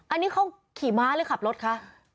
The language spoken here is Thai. อันนี้เขาขี่ม้าหรือขับรถคะ